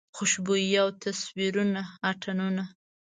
خوشبويي او تصویرونه اتڼونه